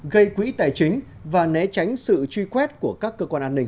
gây quỹ tài chính và né tránh sự truy quét của các cơ quan an ninh